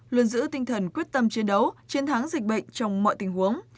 luôn giữ tinh thần quyết tâm chiến đấu chiến thắng dịch bệnh trong mọi tình huống